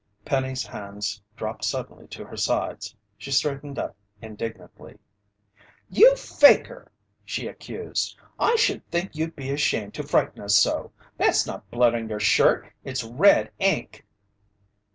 Penny's hands dropped suddenly to her sides. She straightened up indignantly. "You faker!" she accused. "I should think you'd be ashamed to frighten us so! That's not blood on your shirt! It's red ink!"